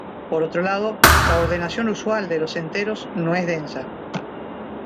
Por otro lado, la ordenación usual en los enteros no es densa.